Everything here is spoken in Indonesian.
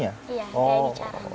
iya kayak bicara